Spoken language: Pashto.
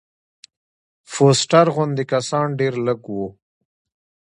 فوسټر غوندې کسان ډېر لږ وو.